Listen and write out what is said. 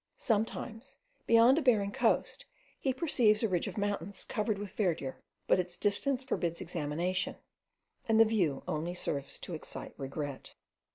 Sometimes, beyond a barren coast, he perceives a ridge of mountains covered with verdure, but its distance forbids examination, and the view serves only to excite regret.